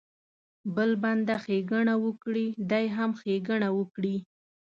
بل بنده ښېګڼه وکړي دی هم ښېګڼه وکړي.